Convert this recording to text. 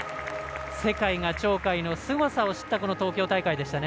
世界が鳥海のすごさを知った東京大会でしたね。